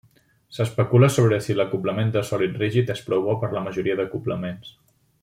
S'especula sobre si l'acoblament de sòlid rígid és prou bo per la majoria d'acoblaments.